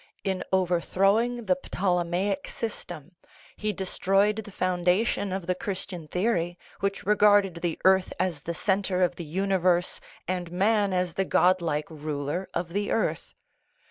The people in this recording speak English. In overthrowing the Ptolemaic system, he destroyed the foundation of the Christian theory, which regarded the earth as the centre of the universe and man as the godlike ruler of the earth.